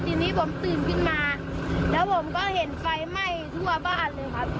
ทีนี้ผมตื่นขึ้นมาแล้วผมก็เห็นไฟไหม้ทั่วบ้านเลยครับ